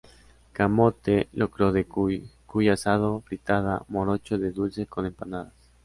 Camote, locro de cuy, cuy asado, fritada, morocho de dulce con empanadas.